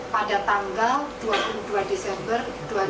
pada tanggal dua puluh dua desember dua ribu dua puluh